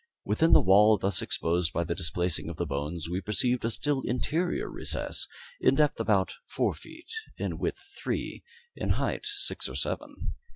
Within the wall thus exposed by the displacing of the bones, we perceived a still interior recess, in depth about four feet in width three, in height six or seven.